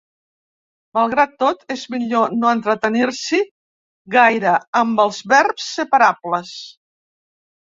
Malgrat tot, és millor no entretenir-s'hi gaire, amb els verbs separables.